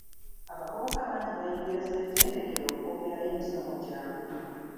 Abavubuka bangi bayingira ssetendekero okwongerayo emisomo gyabwe.